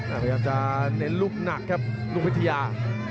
พยายามจะเน้นลูกหนักครับลุงวิทยา